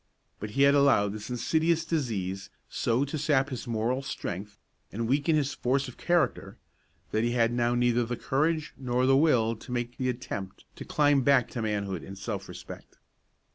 But he had allowed this insidious disease so to sap his moral strength and weaken his force of character, that he had now neither the courage nor the will to make the attempt to climb back to manhood and self respect.